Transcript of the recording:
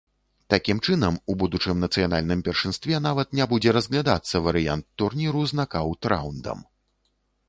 Такім чынам, у будучым нацыянальным першынстве нават не будзе разглядацца варыянт турніру з накаўт-раўндам.